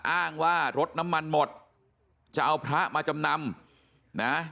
อ้างว่ารถน้ำมันหมดจะเอาพระมาจำนำนะ